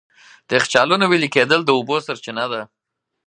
د یخچالونو وېلې کېدل د اوبو سرچینه ده.